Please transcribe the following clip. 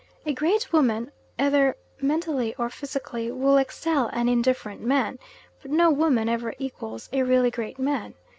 A great woman, either mentally or physically, will excel an indifferent man, but no woman ever equals a really great man.